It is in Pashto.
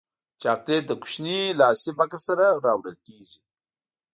چاکلېټ له کوچني لاسي بکس سره راوړل کېږي.